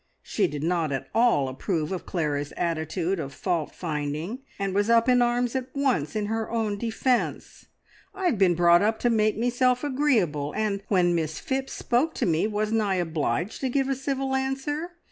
She did not at all approve of Clara's attitude of fault finding, and was up in arms at once in her own defence. "I have been brought up to make meself agreeable, and when Miss Phipps spoke to me, wasn't I obliged to give a civil answer?